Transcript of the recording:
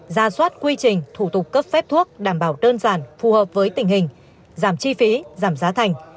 ra soát quy trình thủ tục cấp phép thuốc đảm bảo đơn giản phù hợp với tình hình giảm chi phí giảm giá thành